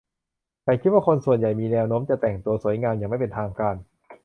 ฉันคิดว่าคนส่วนใหญ่มีแนวโน้มที่จะแต่งตัวสวยงามอย่างไม่เป็นทางการ